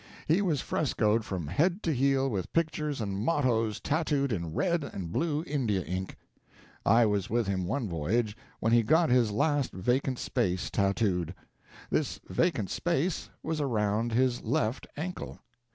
He was frescoed from head to heel with pictures and mottoes tattooed in red and blue India ink. I was with him one voyage when he got his last vacant space tattooed; this vacant space was around his left ankle.